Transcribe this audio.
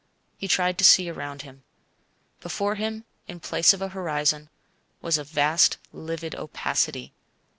He tried to see around him. Before him, in place of a horizon, was a vast livid opacity.